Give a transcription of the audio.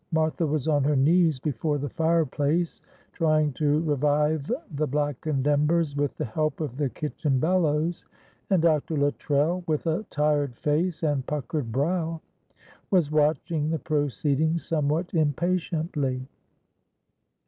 Martha was on her knees before the fireplace trying to revive the blackened embers with the help of the kitchen bellows, and Dr. Luttrell, with a tired face and puckered brow, was watching the proceedings somewhat impatiently.